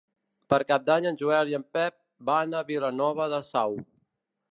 Per Cap d'Any en Joel i en Pep van a Vilanova de Sau.